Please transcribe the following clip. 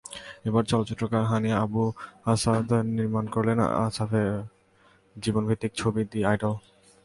এবার চলচ্চিত্রকার Hany Abu Assad নির্মাণ করলেন আসাফের জীবনভিত্তিক ছবি দ্য আইডল।